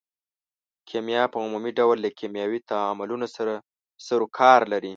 کیمیا په عمومي ډول له کیمیاوي تعاملونو سره سرو کار لري.